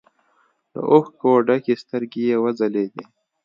له اوښکو ډکې سترګې يې وځلېدې.